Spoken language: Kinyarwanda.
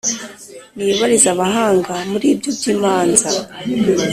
Nibarize abahanga Muri ibyo by’imanza: